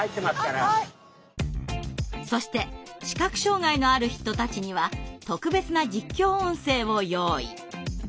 そして視覚障害のある人たちには特別な実況音声を用意。